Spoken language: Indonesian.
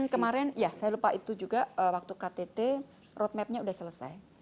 kemarin ya saya lupa itu juga waktu ktt roadmapnya sudah selesai